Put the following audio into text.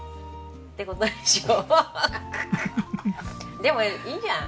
でもいいじゃん。